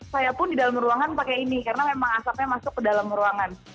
saya pun di dalam ruangan pakai ini karena memang asapnya masuk ke dalam ruangan